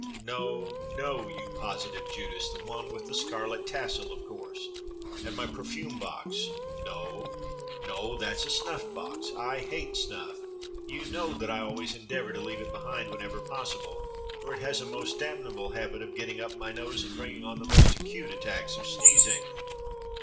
No, no, you positive Judas, the one with the scarlet tassle of course. And my perfume box — no, no, that's a snuffbox. I hate snuff. You know that I always endeavour to leave it behind whenever possible, for it has a most damnable habit of getting up my nose and bringing on the most acute attacks of sneezing.